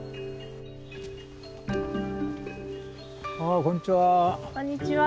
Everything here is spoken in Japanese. あこんにちは。